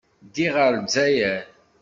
Ddiɣ ɣer Lezzayer.